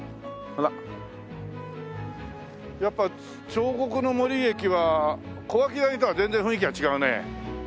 やっぱ彫刻の森駅は小涌谷とは全然雰囲気が違うね。